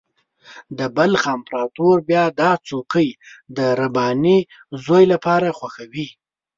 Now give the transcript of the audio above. د بلخ امپراطور بیا دا څوکۍ د رباني زوی لپاره خوښوي.